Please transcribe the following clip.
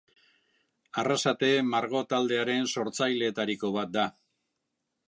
Arrasate Margo Taldearen sortzaileetariko bat da.